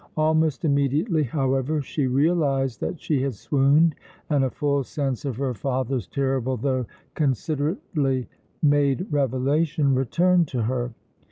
Almost immediately, however, she realized that she had swooned and a full sense of her father's terrible though considerately made revelation returned to her.